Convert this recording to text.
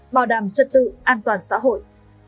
bảo đảm trật tự an toàn xã hội